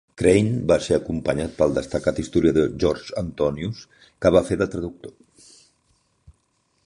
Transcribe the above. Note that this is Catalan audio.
Crane va ser acompanyat pel destacat historiador George Antonius, que va fer de traductor.